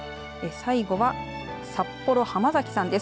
最後は札幌、浜崎さんです。